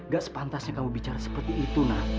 gak sepantasnya kamu bicara seperti itu nak